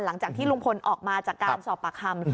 หลังจากที่ลุงพลออกมาจากการสอบปากคำ